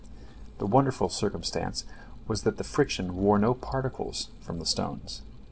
The wonderful circumstance was that the friction wore no particles from the stones.